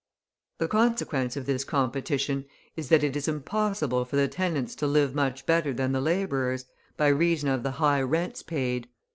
The consequence of this competition is that it is impossible for the tenants to live much better than the labourers, by reason of the high rents paid.